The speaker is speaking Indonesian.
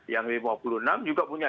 yang lima puluh enam juga punya